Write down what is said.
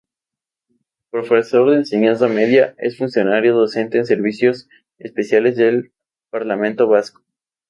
Profesor de Enseñanza Media, es funcionario docente en servicios especiales del Parlamento Vasco.